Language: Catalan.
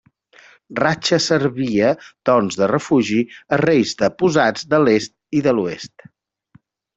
Ratxa servia doncs de refugi a reis deposats de l'est i de l'oest.